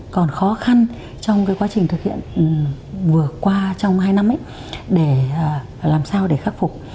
còn khó khăn trong cái quá trình thực hiện vừa qua trong hai năm để làm sao để khắc phục